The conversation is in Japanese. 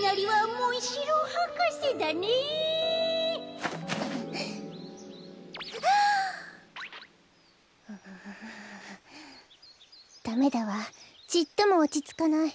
こころのこえダメだわちっともおちつかない。